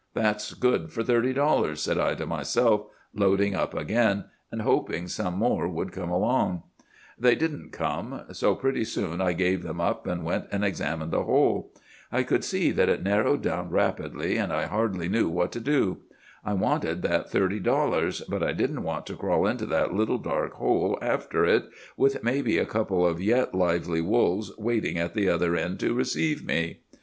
"That's good for thirty dollars," said I to myself, loading up again, and hoping some more would come along. "'They didn't come; so pretty soon I gave them up, and went and examined the hole. I could see that it narrowed down rapidly, and I hardly knew what to do. I wanted that thirty dollars; but I didn't want to crawl into that little dark hole after it, with maybe a couple of yet lively wolves waiting at the other end to receive me.